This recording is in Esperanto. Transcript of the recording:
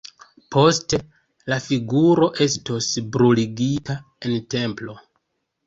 Poste la figuro estos bruligita en templo.